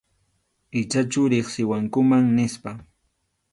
Ichachu riqsiwankuman nispa.